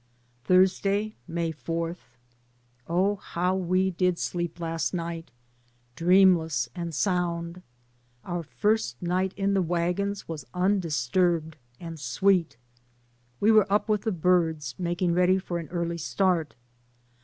Thursday, May 4. Oh, how we did sleep last night, dreamless and sound. Our first night in the wagons was undisturbed and sweet. We were up with the birds making ready for an early start.